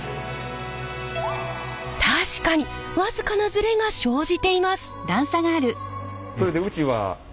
確かに僅かなズレが生じています。